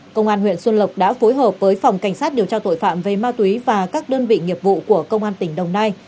công an huyện xuân lộc đã phối hợp với phòng cảnh sát điều tra tội phạm về ma túy và các đơn vị nghiệp vụ của công an tỉnh đồng nai